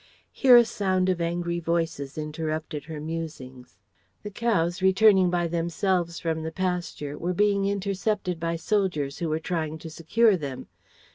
Here a sound of angry voices interrupted her musings. The cows returning by themselves from the pasture were being intercepted by soldiers who were trying to secure them.